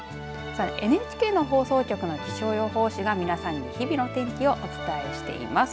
さあ、ＮＨＫの放送局の気象予報士が皆さんに日々の天気をお伝えしています。